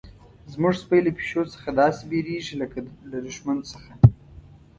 زموږ سپی له پیشو څخه داسې بیریږي لکه له دښمن څخه.